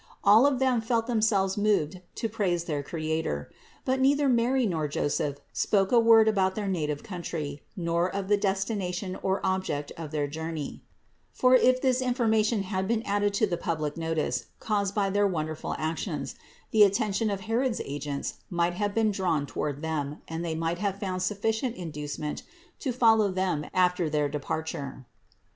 All of them felt themselves moved to praise their Creator. But neither Mary nor Joseph spoke a word about their native country, nor of the destination or object of their journey; for if this information had been added to the public notice caused by their wonderful actions, the attention of Herod's agents might have been drawn toward them, and they might have found sufficient inducement to follow them after their departure.